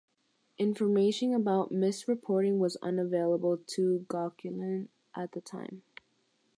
Information about misreporting was unavailable to Gauquelin at the time.